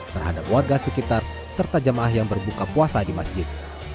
terhadap warga sekitar serta jemaah yang berbuka puasa di masjid